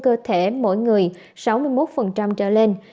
cơ thể mỗi người sáu mươi một trở lên